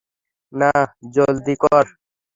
না, জলদি কর।